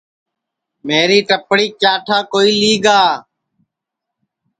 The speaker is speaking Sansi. میری ٹپڑی کیا ٹھا کوئی لی گا